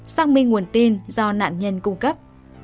xác minh nguồn tin do nạn nhân cung cấp